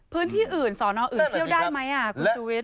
พื้นที่อื่นสอนออื่นเที่ยวได้ไหมคุณชุวิต